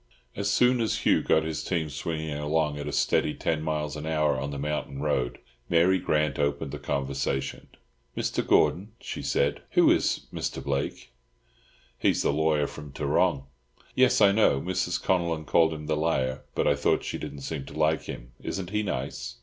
As soon as Hugh got his team swinging along at a steady ten miles an hour on the mountain road, Mary Grant opened the conversation. "Mr. Gordon," she said, "who is Mr. Blake?" "He's the lawyer from Tarrong." "Yes, I know. Mrs. Connellan called him the 'lier.' But I thought you didn't seem to like him. Isn't he nice?"